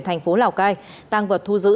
thành phố lào cai tăng vật thu giữ